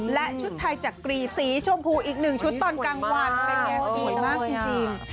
และชุดไทยจักรีสีชมพูอีกหนึ่งชุดตอนกลางวันเป็นไงดีมากจริง